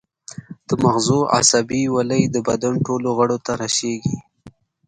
د مغزو عصبي ولۍ د بدن ټولو غړو ته رسیږي